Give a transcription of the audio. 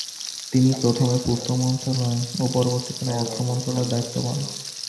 তিনি প্রথমে পূর্ত মন্ত্রণালয় ও পরবর্তীকালে অর্থ মন্ত্রণালয়ের দায়িত্ব পান।